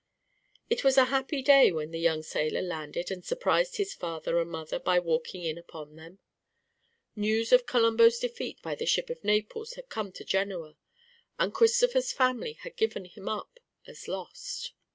It was a happy day when the young sailor landed and surprised his father and mother by walking in upon them. News of Colombo's defeat by the ship of Naples had come to Genoa, and Christopher's family had given him up as lost.